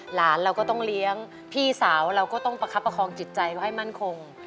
เราก็ต้องเลี้ยงพี่สาวเราก็ต้องประคับประคองจิตใจเขาให้มั่นคง